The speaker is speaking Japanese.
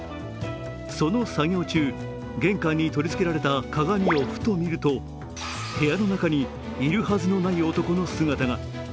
その作業中、玄関に取り付けられた鏡をふと見ると、部屋の中にいるはずのない男の姿が。